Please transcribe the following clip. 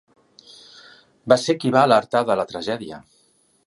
Va ser qui va alertar de la tragèdia.